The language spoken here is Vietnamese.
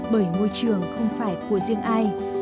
bởi môi trường không phải của riêng ai